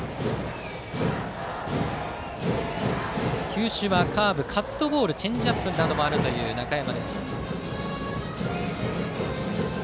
球種はカーブ、カットボールチェンジアップもある中山。